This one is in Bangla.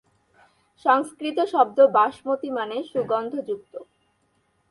সংস্কৃত শব্দ "বাসমতী" মানে "সুগন্ধযুক্ত"।